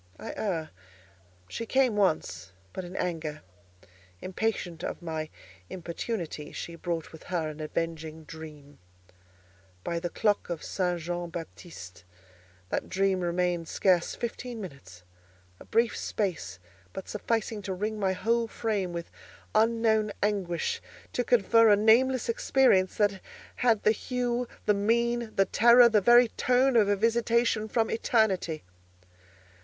I err. She came once, but in anger. Impatient of my importunity she brought with her an avenging dream. By the clock of St. Jean Baptiste, that dream remained scarce fifteen minutes—a brief space, but sufficing to wring my whole frame with unknown anguish; to confer a nameless experience that had the hue, the mien, the terror, the very tone of a visitation from eternity.